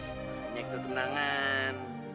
hanya kita tenangan